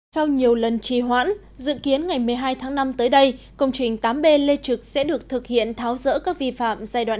sau nhiều lần trì hoãn dự kiến ngày một mươi hai tháng năm tới đây công trình tám b lê trực sẽ được thực hiện tháo rỡ các vi phạm giai đoạn hai